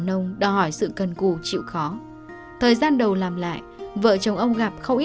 ông bà đầu tư thêm vào chăn nuôi